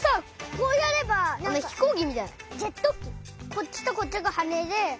こっちとこっちがはねで。